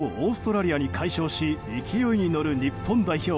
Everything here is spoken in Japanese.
昨日オーストラリアに快勝し勢いに乗る日本代表。